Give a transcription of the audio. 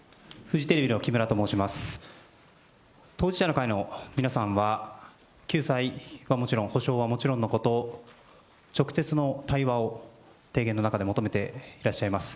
当事者の会の皆さんは、救済はもちろん、補償はもちろんのこと、直接の対話を提言の中で求めていらっしゃいます。